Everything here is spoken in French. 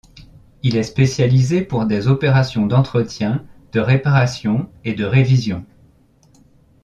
Il est spécialisé pour des opérations d'entretien, de réparation et de révision.